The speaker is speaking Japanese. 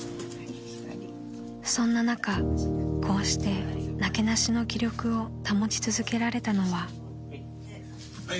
［そんな中こうしてなけなしの気力を保ち続けられたのは］